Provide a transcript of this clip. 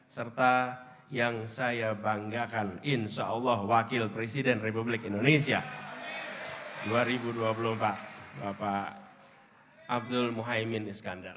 serta yang saya banggakan insyaallah wakil presiden republik indonesia dua ribu dua puluh empat bapak abdul muhaymin iskandar